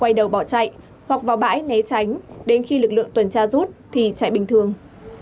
quay đầu bỏ chạy hoặc vào bãi né tránh đến khi lực lượng tuần tra rút thì chạy bình thường